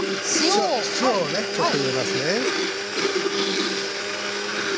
塩をねちょっと入れますね。